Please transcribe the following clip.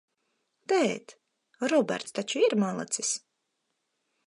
Tēt, Roberts taču ir malacis?